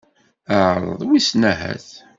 Ԑreḍ, wissen ahat.